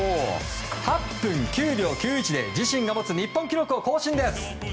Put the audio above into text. ８分９秒９１で自身が持つ日本記録を更新です。